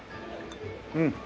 うん。